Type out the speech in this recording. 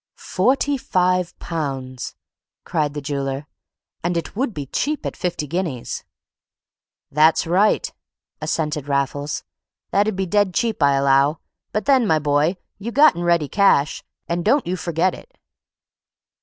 "Forty five pounds," cried the jeweller; "and it would be cheap at fifty guineas." "That's right," assented Raffles. "That'd be dead cheap, I allow. But then, my boy, you gotten ready cash, and don't you forget it."